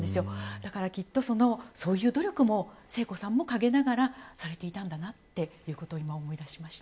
だから、きっと、そういう努力も聖子さんも陰ながらされていたんだなとあらためて今、思い出しました。